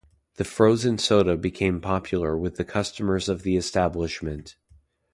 The frozen soda became popular with the customers of the establishment.